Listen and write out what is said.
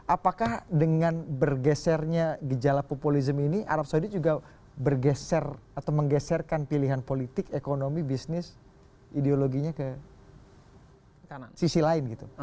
apakah dengan bergesernya gejala populisme ini arab saudi juga bergeser atau menggeserkan pilihan politik ekonomi bisnis ideologinya ke sisi lain gitu